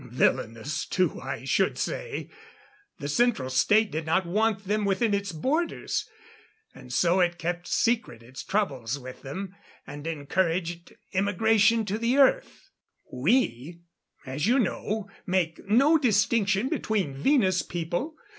Villainous, too, I should say. The Central State did not want them within its borders; and so it kept secret its troubles with them and encouraged emigration to the Earth. "We as you know make no distinction between Venus people.